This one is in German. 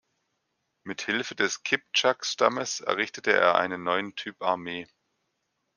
Mit Hilfe des Kiptschak-Stammes errichtete er einen neuen Typ Armee.